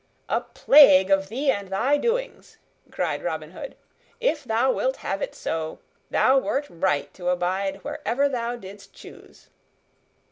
"A plague of thee and thy doings!" cried Robin Hood. "If thou wilt have it so, thou wert right to abide wherever thou didst choose."